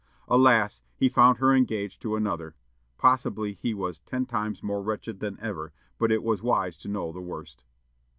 Alas! he found her engaged to another. Possibly, he was "ten times more wretched than ever," but it was wise to know the worst.